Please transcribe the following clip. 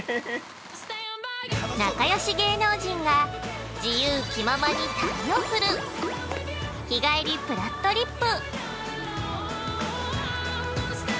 ◆仲よし芸能人が自由気ままに旅をする「日帰りぷらっとりっぷ」。